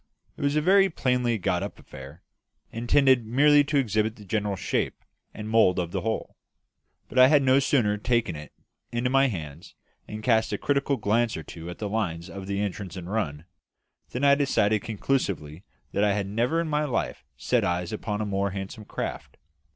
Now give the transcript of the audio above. It was a very plainly got up affair, intended merely to exhibit the general shape and mould of the hull; but I had no sooner taken it into my hands and cast a critical glance or two at the lines of the entrance and run, than I decided conclusively that I had never in my life set eyes upon a more handsome craft.